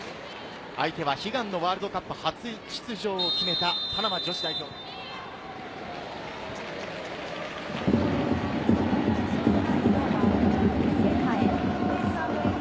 相手は悲願のワールドカップ初出場を決めたパナマ女子代表です。ＭＳ＆ＡＤ